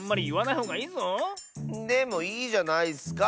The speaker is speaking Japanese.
でもいいじゃないスか